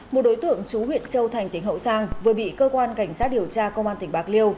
một đối tượng chú huyện châu thành tỉnh hậu giang vừa bị cơ quan cảnh sát điều tra công an tỉnh bạc liêu